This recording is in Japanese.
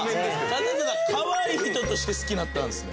ただただかわいい人として好きになったんですね？